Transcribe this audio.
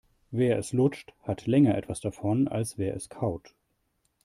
Wer es lutscht, hat länger etwas davon, als wer es kaut.